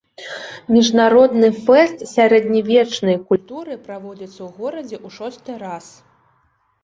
Міжнародны фэст сярэднявечнай культуры праводзіцца ў горадзе ў шосты раз.